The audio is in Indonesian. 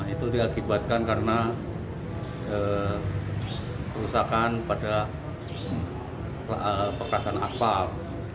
itu diakibatkan karena kerusakan pada pekerasan asfal